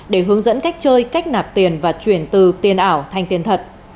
để hướng dẫn cách chơi cách nạp tiền và chuyển từ tiền ảo thành tiền thật